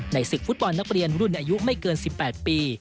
ศึกฟุตบอลนักเรียนรุ่นอายุไม่เกิน๑๘ปี